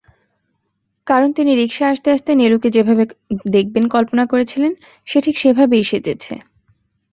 কারণ তিনি রিকশায় আসতে-আসতে নীলুকে যেভাবে দেখবেন কল্পনা করেছিলেন, সে ঠিক সেভাবেই সেজেছে।